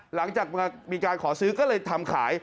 หลังจากมีการขอซื้อก็เลยทำขาย